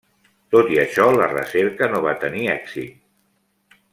Tot i això, la recerca no va tenir èxit.